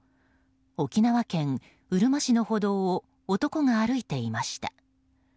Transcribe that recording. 沖縄県うるま市の歩道を男が歩いていました。